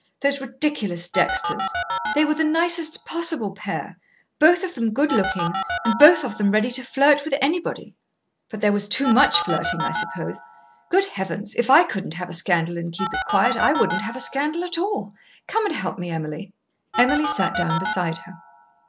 Those ridiculous Dexters! They were the nicest possible pair both of them good looking and both of them ready to flirt with anybody. But there was too much flirting, I suppose. Good heavens! if I couldn't have a scandal and keep it quiet, I wouldn't have a scandal at all. Come and help me, Emily." Emily sat down beside her.